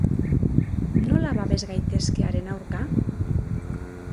Nola babes gaitezke haren aurka?